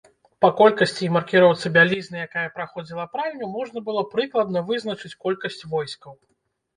Па колькасці і маркіроўцы бялізны, якая праходзіла пральню, можна было прыкладна вызначыць колькасць войскаў.